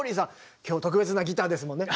今日特別なギターですもんね。